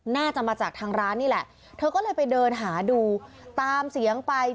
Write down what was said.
น่าจะมาจากทางร้านนี่แหละเธอก็เลยไปเดินหาดูตามเสียงไป